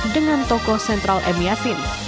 dengan tokoh sentral m yatin